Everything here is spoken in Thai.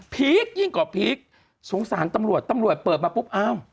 ีคยิ่งกว่าพีคสงสารตำรวจตำรวจเปิดมาปุ๊บอ้าว